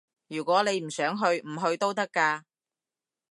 如果你唔想去，唔去都得㗎